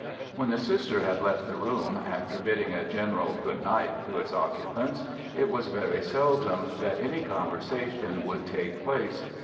When the Sister had left the room, after bidding a general "good night" to its occupants, it was very seldom that any conversation would take place.